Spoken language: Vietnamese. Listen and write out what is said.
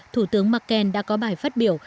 thủ tướng merkel đã có bài phát biểu